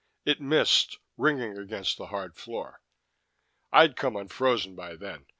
It missed, ringing against the hard floor. I'd come unfrozen by then.